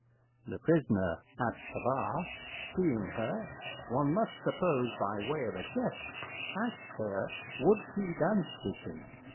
The prisoner at the bar, seeing her, one must suppose by way of a jest, asked her would she dance with him.